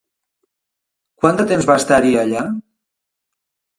Quant de temps va estar-hi allà?